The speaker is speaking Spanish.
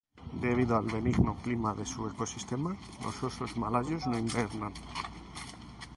Debido al benigno clima de su ecosistema, los osos malayos no hibernan.